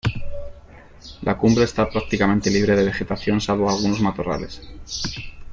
La cumbre está prácticamente libre de vegetación salvo algunos matorrales.